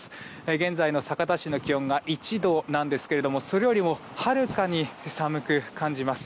現在の酒田市の気温が１度なんですけどもそれよりもはるかに寒く感じます。